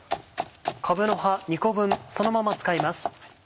かぶの葉２個分そのまま使います。